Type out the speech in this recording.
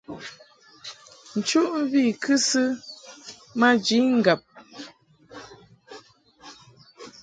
Nchuʼmvi i kɨsɨ maji ŋgab.